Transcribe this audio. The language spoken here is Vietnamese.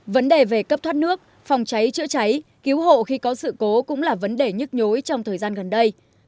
vấn đề về cấp thoát nước phòng cháy chữa cháy cứu hộ khi có sự cố cũng là vấn đề nhức nhối trong thời gian gần đây